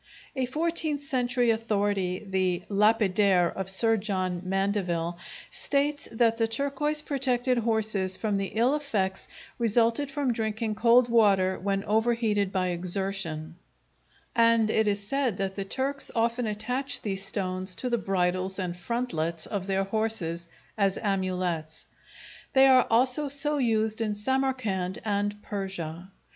A fourteenth century authority, the "Lapidaire" of Sir John Mandeville, states that the turquoise protected horses from the ill effects resulting from drinking cold water when overheated by exertion, and it is said that the Turks often attached these stones to the bridles and frontlets of their horses as amulets. They are also so used in Samarcand and Persia.